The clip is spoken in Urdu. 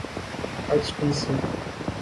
H T C